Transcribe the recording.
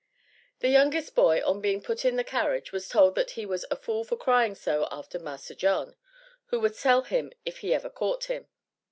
The youngest boy on being put in the carriage was told that he was "a fool for crying so after 'Massa John,' who would sell him if he ever caught him."